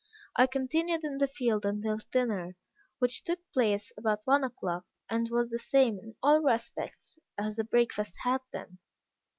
I continued in the field until dinner, which took place about one o'clock, and was the same, in all respects, as the breakfast had been.